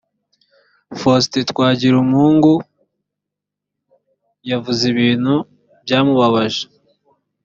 faustin twagiramungu yavuze ibintu byamubabaje